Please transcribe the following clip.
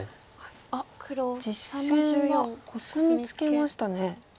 あっ実戦はコスミツケましたね。